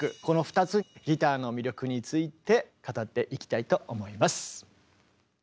この２つギターの魅力について語っていきたいと思います。